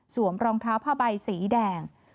รองเท้าผ้าใบสีแดง